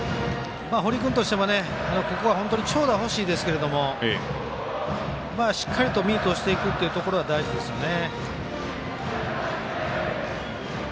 堀君としても本当にここは長打欲しいですけどしっかりとミートをしていくというところは大事ですよね。